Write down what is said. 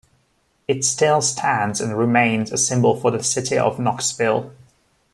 It still stands and remains a symbol for the city of Knoxville.